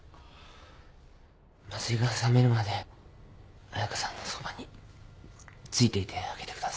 麻酔が覚めるまで彩佳さんのそばについていてあげてください。